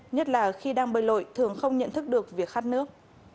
nhất là khi đang bơi lội thường không nhận thức được việc khát nước